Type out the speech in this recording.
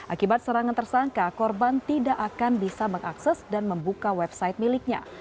akibat serangan tersangka korban tidak akan bisa mengakses dan membuka website miliknya